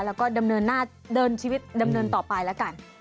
แล้วก็ดำเนินหน้าเดินชีวิตดำเนินต่อไปแล้วกัน